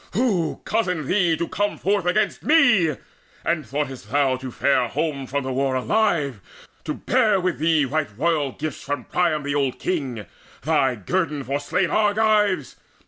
Who cozened thee to come Forth against me? And thoughtest thou to fare Home from the war alive, to bear with thee Right royal gifts from Priam the old king, Thy guerdon for slain Argives?